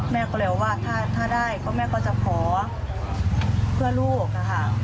แม่ก็เลยบอกว่าถ้าได้ก็แม่ก็จะขอเพื่อลูกค่ะ